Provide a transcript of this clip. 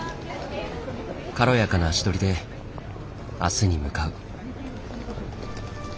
軽やかな足取りで明日に向かう。